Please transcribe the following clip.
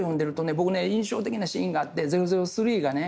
僕ね印象的なシーンがあって００３がね